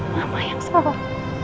mama yang salah